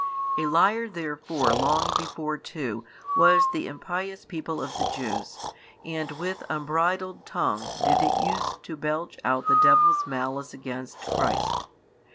A liar therefore long before too was the impious people of the Jews and with unbridled tongue did it use to belch out the devil's malice against Christ.